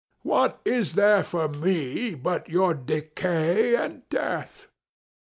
What is there for me but your decay and death?